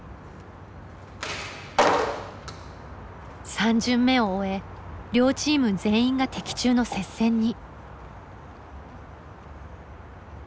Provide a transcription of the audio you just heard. ３巡目を終え両チーム全員が的中の接戦に。